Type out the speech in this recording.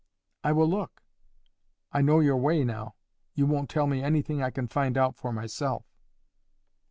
"I will look. I know your way now. You won't tell me anything I can find out for myself."